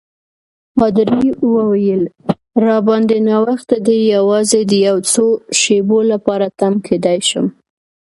پادري وویل: راباندي ناوخته دی، یوازې د یو څو شېبو لپاره تم کېدای شم.